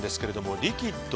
リキッド。